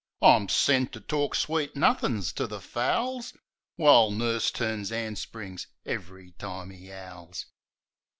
I'm sent to talk sweet nuffin's to the fowls; While nurse turns 'and springs ev'ry time 'e 'owls.